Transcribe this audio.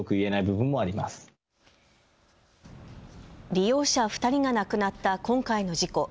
利用者２人が亡くなった今回の事故。